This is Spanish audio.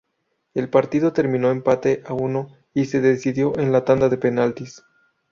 El partido terminó empate a uno y se decidió en la tanda de penaltis.